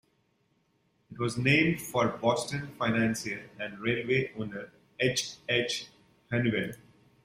It was named for Boston financier and railway owner H. H. Hunnewell.